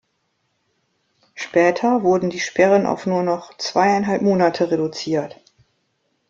Später wurden die Sperren auf nur noch zweieinhalb Monate reduziert.